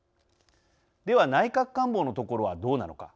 では、内閣官房のところはどうなのか。